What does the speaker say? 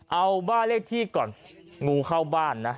เอาบ้านเลขที่ก่อนงูเข้าบ้านนะ